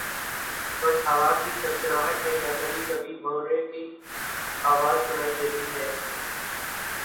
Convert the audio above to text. بس ہوا کی سنسناہٹ ہے یا کبھی کبھی بھنورے کی آواز سنائی دیتی ہے